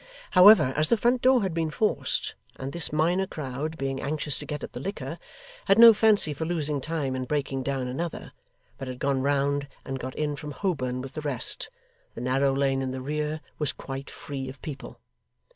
However, as the front door had been forced, and this minor crowd, being anxious to get at the liquor, had no fancy for losing time in breaking down another, but had gone round and got in from Holborn with the rest, the narrow lane in the rear was quite free of people.